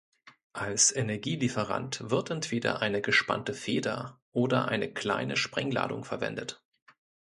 Als Energielieferant wird entweder eine gespannte Feder oder eine kleine Sprengladung verwendet.